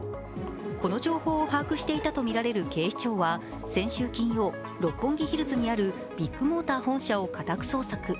この情報を把握していたとみられる警視庁は先週金曜、六本木ヒルズにあるビッグモーター本社を家宅捜索。